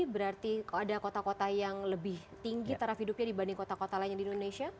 berarti ada kota kota yang lebih tinggi taraf hidupnya dibanding kota kota lainnya di indonesia